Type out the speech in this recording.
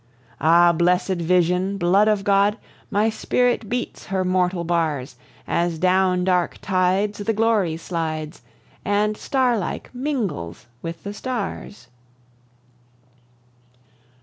Ah, blessèd vision! blood of God! My spirit beats her mortal bars, As down dark tides the glory slides, And star like mingles with the stars.